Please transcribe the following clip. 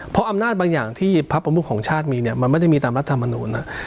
เพราะอำนาจบางอย่างที่พระประมุขของชาติมีเนี่ยมันไม่ได้มีตามรัฐมนุน